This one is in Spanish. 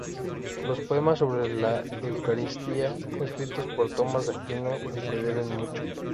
Los poemas sobre la Eucaristía escritos por Tomás de Aquino le deben mucho.